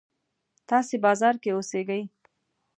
تاسې بازار کې اوسېږئ.